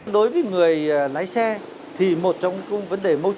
đối với người lái xe thì một trong những vấn đề mâu trọng